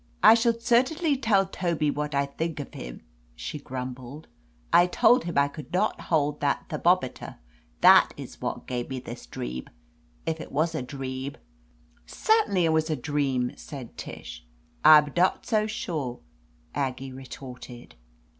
"I shall certaidly tell Tobby whad I thig of hib," she grumbled. *T told hib I could dot hold that therbobeten That is what gave be that dreab. If it was a dreab !" ^Certainly it was a dream," said Tish. I'b dot so sure !" Aggie retorted.